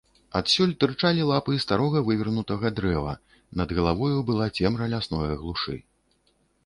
Адсюль тырчалі лапы старога вывернутага дрэва, над галавою была цемра лясное глушы.